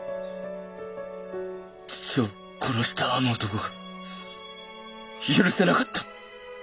父を殺したあの男が許せなかった！